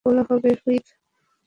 এটা মিথ্যা কথা বলা হবে, হুইপ।